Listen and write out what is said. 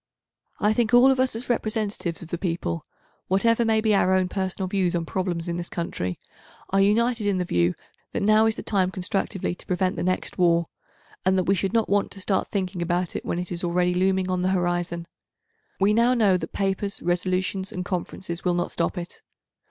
I think all of us as representatives of the people, whatever may be our own personal views on problems in this country, are united in the view that now is the time constructively to prevent the next war, and that we should not want to start thinking about it when it is already looming on the horizon. We now know that papers, resolutions and conferences will not stop it.